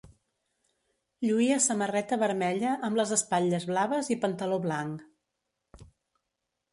Lluïa samarreta vermella amb les espatlles blaves i pantaló blanc.